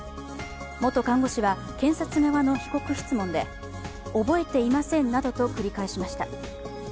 元看護師は検察側の被告質問で、覚えていませんなどと繰り返しました。